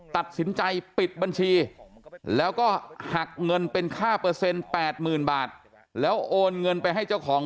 ตัดสินใจปิดบัญชีแล้วก็หักเงินเป็นค่าเปอร์เซ็นต์๘๐๐๐บาทแล้วโอนเงินไปให้เจ้าของ